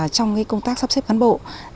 trong công tác sắp xếp gắn bộ